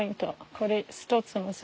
これ１つの線。